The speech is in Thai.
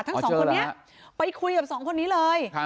ทั้งสองคนนี้ไปคุยกับสองคนนี้เลย